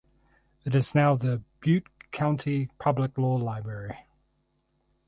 It is now the Butte County Public Law Library